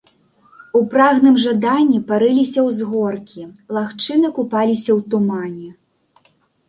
У прагным жаданні парыліся ўзгоркі, лагчыны купаліся ў тумане.